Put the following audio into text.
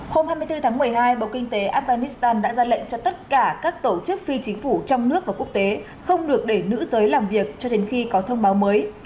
hôm hai mươi bốn tháng một mươi hai bộ kinh tế afghanistan đã ra lệnh cho tất cả các tổ chức phi chính phủ trong nước và quốc tế không được để nữ giới làm việc cho đến khi có thông báo mới